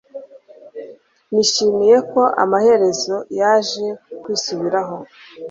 Nishimiye ko amaherezo yaje kwisubiraho